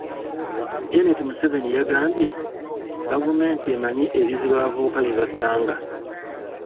Janet Museveni yagambye, gavumenti emanyi ebizibu abavuka bye basanga.